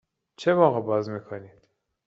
چه موقع باز می کنید؟